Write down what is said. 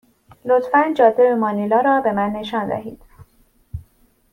لطفا جاده به مانیلا را به من نشان دهید.